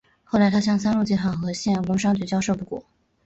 后来他向三鹿集团和县工商局交涉不果。